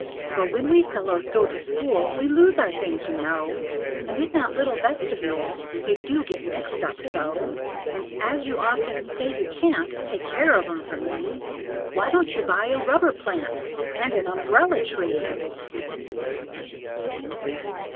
"For when we fellows go to school, We lose our things, you know; And in that little vestibule They do get mixed up so. "And as you often say you can't Take care of 'em for me, Why don't you buy a rubber plant, And an umbrella tree?"